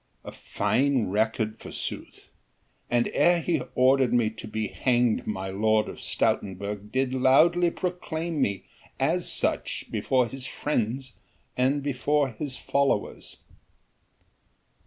A fine record forsooth: and ere he ordered me to be hanged my Lord of Stoutenburg did loudly proclaim me as such before his friends and before his followers."